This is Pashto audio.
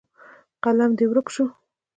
قلم دې ورک شو.